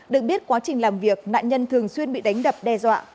được biết quá trình làm việc nạn nhân thường xuyên bị đánh đập đe dọa